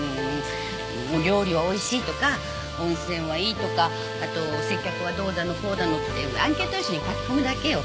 料理はおいしいとか温泉はいいとかあと接客はどうだのこうだのってアンケート用紙に書き込むだけよ。